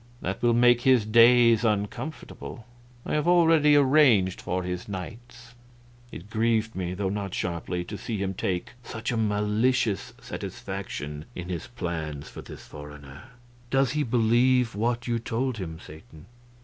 That will make his days uncomfortable I have already arranged for his nights." It grieved me, though not sharply, to see him take such a malicious satisfaction in his plans for this foreigner. "Does he believe what you told him, Satan?"